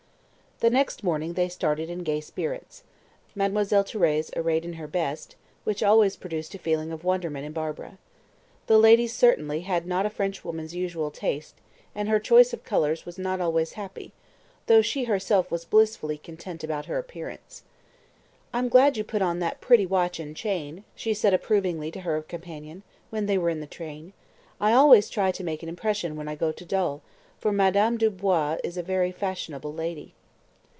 The next morning they started in gay spirits, Mademoiselle Thérèse arrayed in her best, which always produced a feeling of wonderment in Barbara. The lady certainly had not a Frenchwoman's usual taste, and her choice of colours was not always happy, though she herself was blissfully content about her appearance. "I am glad you put on that pretty watch and chain," she said approvingly to her companion, when they were in the train. "I always try to make an impression when I go to Dol, for Madame Dubois is a very fashionable lady."